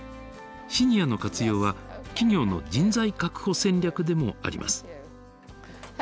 シニアの活用は企業の人材確保戦略でもあります。